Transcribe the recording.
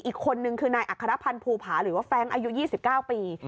อีกคนนึงคือนายอัครพันธ์ภูผาหรือว่าแฟรงค์อายุ๒๙ปี